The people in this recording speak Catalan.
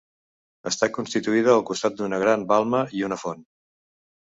Està construïda al costat d'una gran balma i una font.